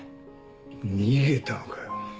逃げたのかよ。